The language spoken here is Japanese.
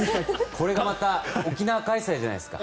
これがまた沖縄開催じゃないですか。